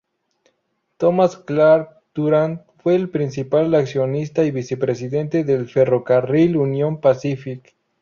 Thomas Clark Durant fue el principal accionista y vicepresidente del ferrocarril Union Pacific.